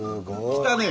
来たね。